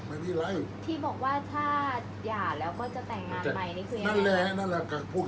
อันไหนที่มันไม่จริงแล้วอาจารย์อยากพูด